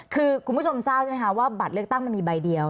คือคุณผู้ชมทราบใช่ไหมคะว่าบัตรเลือกตั้งมันมีใบเดียว